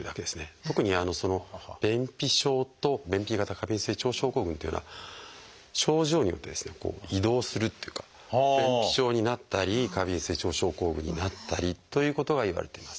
特に「便秘症」と「便秘型過敏性腸症候群」っていうのは症状によって移動するっていうか便秘症になったり過敏性腸症候群になったりということはいわれています。